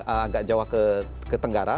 agak jawa ke tenggara